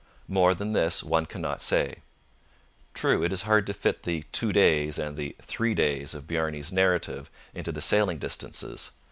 More than this one cannot say. True, it is hard to fit the 'two days' and the 'three days' of Bjarne's narrative into the sailing distances.